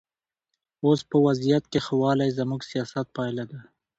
اوس په وضعیت کې ښه والی زموږ سیاست پایله ده.